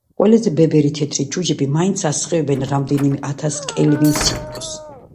ყველაზე ბებერი თეთრი ჯუჯები მაინც ასხივებს რამდენიმე ათას კელვინ სითბოს.